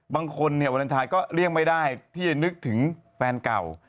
บางคนเนี่ยวาเลนไทยก็เลี่ยงไม่ได้ที่จะนึกถึงแฟนเก่า